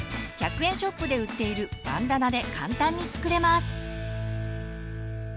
１００円ショップで売っているバンダナで簡単に作れます。